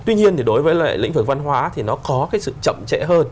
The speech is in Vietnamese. tuy nhiên thì đối với lại lĩnh vực văn hóa thì nó có cái sự chậm trễ hơn